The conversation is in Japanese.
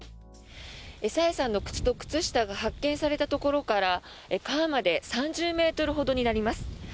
朝芽さんの靴と靴下が発見されたところから川まで３０ｍほどになります。